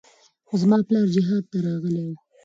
خو زما پلار جهاد ته راغلى و.